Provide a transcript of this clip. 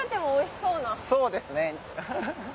そうですね。